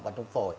và trông phổi